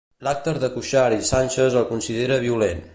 L'acte de Cuixart i Sánchez el considera "violent".